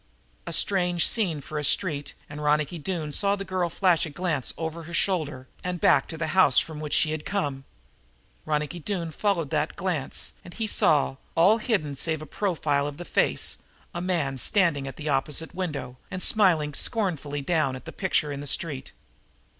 A strange scene for a street, and Ronicky Doone saw the girl flash a glance over her shoulder and back to the house from which she had just come. Ronicky Doone followed that glance, and he saw, all hidden save the profile of the face, a man standing at an opposite window and smiling scornfully down at that picture in the street.